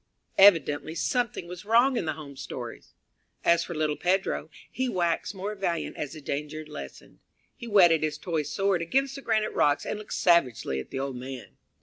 Evidently something was wrong in the home stories. As for little Pedro, he waxed more valiant as the danger lessened. He whetted his toy sword against the granite rocks and looked savagely at the old man.